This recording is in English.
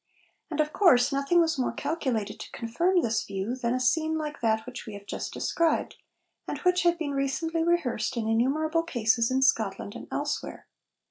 And, of course, nothing was more calculated to confirm this view than a scene like that which we have just described, and which had been recently rehearsed in innumerable cases in Scotland and elsewhere.